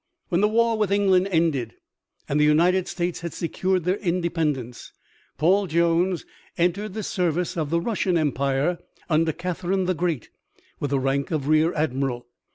When the war with England ended and the United States had secured their independence, Paul Jones entered the service of the Russian Empire under Catherine the Great with the rank of Rear Admiral.